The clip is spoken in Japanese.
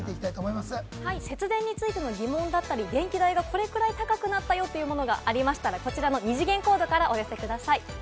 節電についての疑問だったり、電気代がこれくらい高くなったよというものがありましたら、こちらの二次元コードからお寄せください。